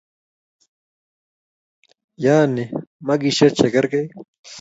Yaani makishe che kerkei.